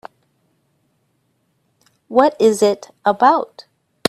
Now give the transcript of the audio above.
What is it about?